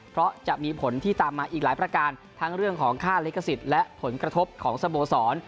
เพราะจะมีผลที่ตามมาอีกหลายประการทั้งเรื่องของค่าลิขสิทธิ์และผลกระทบของสโมสร